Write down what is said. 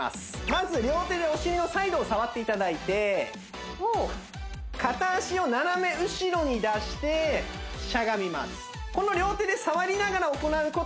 まず両手でお尻のサイドを触っていただいて片足を斜め後ろに出してしゃがみます